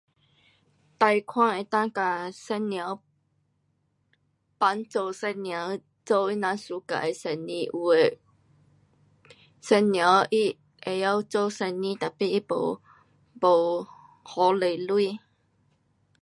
哒看能够跟妇女，帮助妇女做她们喜欢的生意，有的妇女她会晓做生意，tapi 她没，没那多钱。